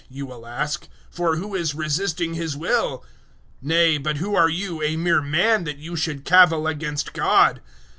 you will ask; "for who is resisting His will?" 009:020 Nay, but who are you, a mere man, that you should cavil against GOD?